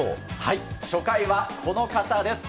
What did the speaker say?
初回はこの方です。